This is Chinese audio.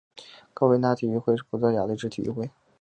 高维拿体育会是葡萄牙的一支体育会。